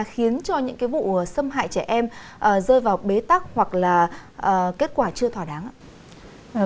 khiến cho những vụ xâm hại trẻ em rơi vào bế tắc hoặc là kết quả chưa thỏa đáng ạ